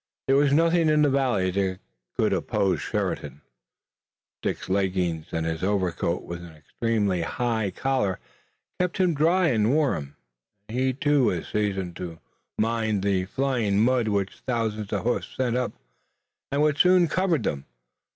There was nothing in the valley that could oppose Sheridan. Dick's leggings, and his overcoat with an extremely high collar, kept him dry and warm and he was too seasoned to mind the flying mud which thousands of hoofs sent up, and which soon covered them.